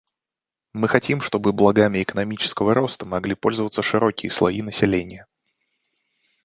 Мы хотим, чтобы благами экономического роста могли пользоваться широкие слои населения.